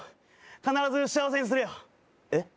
必ず幸せにするよえっ？